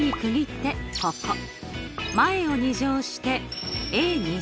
前を２乗して。